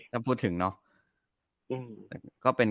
ถ้าพูดถึงเนาะ